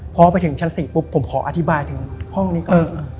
พอไปถึงชั้น๔ปุ๊บผมขออธิบายถึงห้องนี้ก่อน